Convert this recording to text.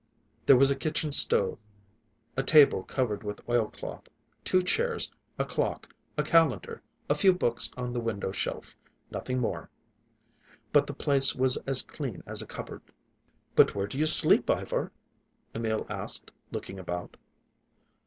There was a kitchen stove, a table covered with oilcloth, two chairs, a clock, a calendar, a few books on the window shelf; nothing more. But the place was as clean as a cupboard. "But where do you sleep, Ivar?" Emil asked, looking about.